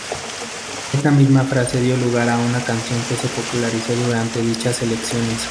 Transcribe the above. Esta misma frase dio lugar a una canción que se popularizó durante dichas elecciones.